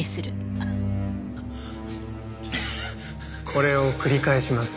これを繰り返します。